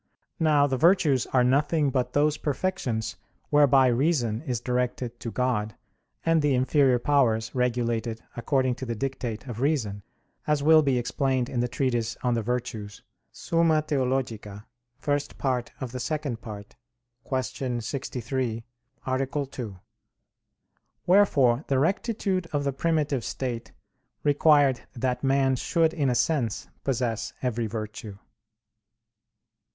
Now the virtues are nothing but those perfections whereby reason is directed to God, and the inferior powers regulated according to the dictate of reason, as will be explained in the Treatise on the Virtues (I II, Q. 63, A. 2). Wherefore the rectitude of the primitive state required that man should in a sense possess every virtue.